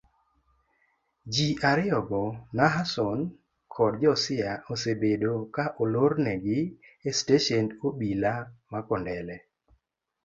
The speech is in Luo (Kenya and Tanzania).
ji ariyogo nahason kod josiah osebedo ka olornegi estesend obila ma kondele